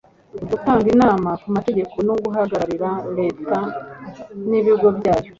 gutanga inama ku mategeko no guhagararira leta n'ibigo byayo